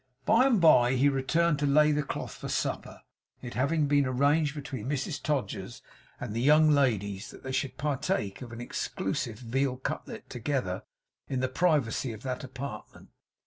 By and bye, he returned to lay the cloth for supper; it having been arranged between Mrs Todgers and the young ladies, that they should partake of an exclusive veal cutlet together in the privacy of that apartment.